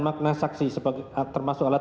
makna saksi termasuk alat